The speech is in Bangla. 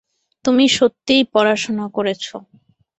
তুমি সত্যিই পড়াশোনা করেছ।